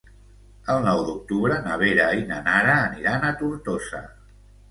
El nou d'octubre na Vera i na Nara aniran a Tortosa.